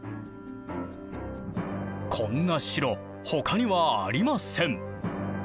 こんな城他にはありません。